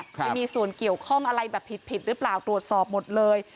ไปมีส่วนเกี่ยวข้องอะไรแบบผิดหรือเปล่าตรวจสอบหมดเลย